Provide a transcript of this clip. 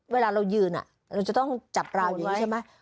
เวลาเรายืนเราจะต้องจับเราอย่างนี้ใช่ไหม